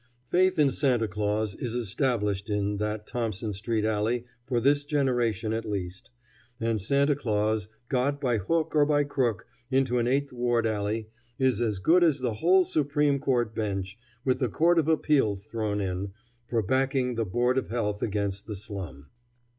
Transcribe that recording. Faith in Santa Claus is established in that Thompson street alley for this generation at least; and Santa Claus, got by hook or by crook into an Eighth Ward alley, is as good as the whole Supreme Court bench, with the Court of Appeals thrown in, for backing the Board of Health against the slum.